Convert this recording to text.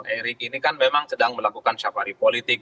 erik ini kan memang sedang melakukan safari politik